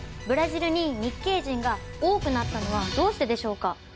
ブラジルに日系人が多くなったのはどうしてでしょうか？